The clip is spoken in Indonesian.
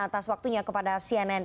atas waktunya kepada cnn